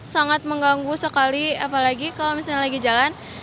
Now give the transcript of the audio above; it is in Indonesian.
sangat mengganggu sekali apalagi kalau misalnya lagi jalan